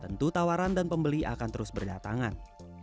tentu tawaran dan pembeli akan terus berdatangan